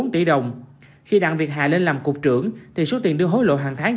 bốn tỷ đồng khi đặng việt hà lên làm cục trưởng thì số tiền đưa hối lộ hàng tháng